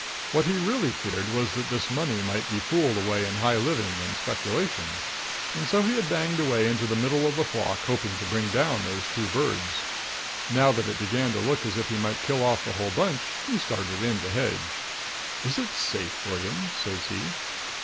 What he really feared was that this money might be fooled away in high living and speculation. And so he had banged away into the middle of the flock, hoping to bring down those two birds. Now that it began to look as if he might kill off the whole bunch he started in to hedge. "Is it safe, William?" says he.